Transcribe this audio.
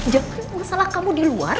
jangan salah kamu di luar